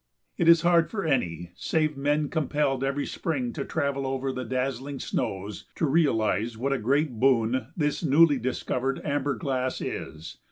It is hard for any save men compelled every spring to travel over the dazzling snows to realize what a great boon this newly discovered amber glass is.